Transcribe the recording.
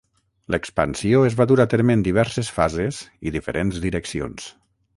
L'expansió es va dur a terme en diverses fases i diferents direccions.